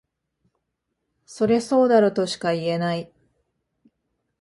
そりゃそうだろとしか言えない